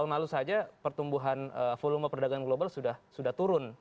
tahun lalu saja pertumbuhan volume perdagangan global sudah turun